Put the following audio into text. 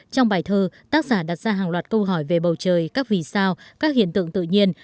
trong bài thơ tác giả đặt ra hàng loạt câu hỏi về bầu trời các vì sao các hiện tượng tự nhiên